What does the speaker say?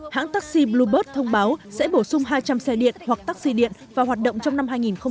hãng taxi bluebird thông báo sẽ bổ sung hai trăm linh xe điện hoặc taxi điện vào hoạt động trong năm hai nghìn hai mươi